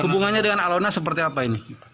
hubungannya dengan alona seperti apa ini